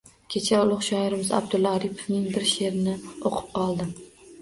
Kecha ulugʻ shoirimiz Abdulla Oripovning bir sheʼrini oʻqib qoldim